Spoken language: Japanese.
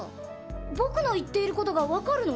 ぼくのいっていることがわかるの？